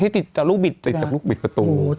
ติดจากลูกบิดติดจากลูกบิดประตู